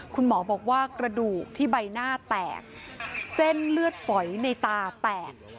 คุณหมอบอกว่ากระดูกที่ใบหน้าแตกเส้นเลือดฝอยในตาแตก